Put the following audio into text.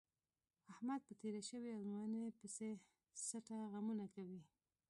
احمد په تېره شوې ازموینه پسې څټه غمونه کوي.